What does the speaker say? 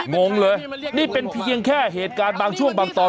งงเลยนี่เป็นเพียงแค่เหตุการณ์บางช่วงบางตอน